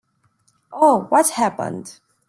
Oh, what's happened?